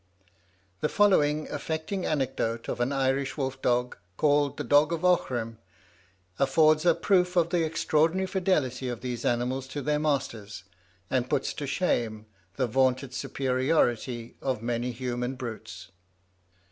The following affecting anecdote of an Irish wolf dog, called "the dog of Aughrim," affords a proof of the extraordinary fidelity of these animals to their masters, and puts to shame the vaunted superiority of many human brutes.